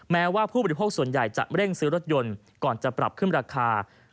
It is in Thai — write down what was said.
แม้ว่าผู้บริโภคส่วนใหญ่จะเร่งซื้อรถยนต์ก่อนจะปรับขึ้นราคา